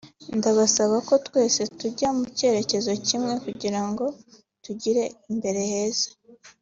ndabasaba ko twese tujya mu cyerekezo kimwe kugira ngo tugire imbere heza